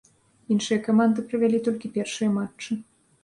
Іншыя каманды правялі толькі першыя матчы.